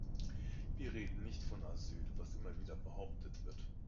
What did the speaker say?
Wir reden nicht von Asyl, was immer wieder behauptet wird.